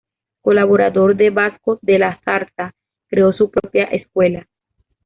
Colaborador de Vasco de la Zarza, creó su propia escuela.